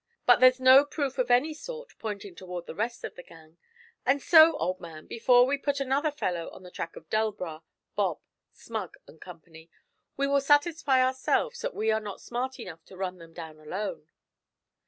But there's no proof of any sort pointing toward the rest of the gang; and so, old man, before we put another fellow on the track of Delbras, Bob, Smug and Company, we will satisfy ourselves that we are not smart enough to run them down alone.'